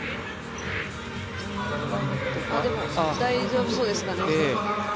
大丈夫そうですかね。